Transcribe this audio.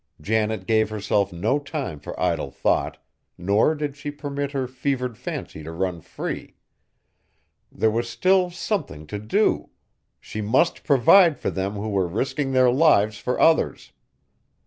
Janet gave herself no time for idle thought, nor did she permit her fevered fancy to run free. There was still something to do! She must provide for them who were risking their lives for others.